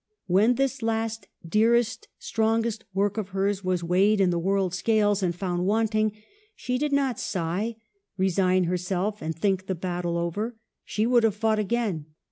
When this last, dearest, strongest work of hers was weighed in the world's scales and found wanting, she did not sigh, resign herself, and think the battle over ; she would have fought again.